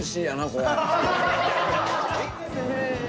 これ。